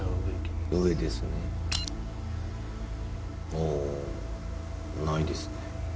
おないですね。